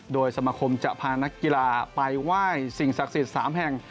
โดยสมาคมจะพานักกีฬาไปไหว้สิ่งศักดิ์สิทธิ์๓แห่ง